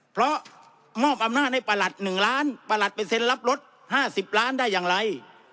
เพราะมอบอำนาจให้ประหลัดหนึ่งล้านประหลัดเป็นเซ็นรับลดห้าสิบล้านได้อย่างไร